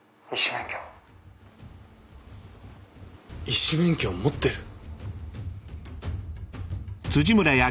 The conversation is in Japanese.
医師免許を持ってる？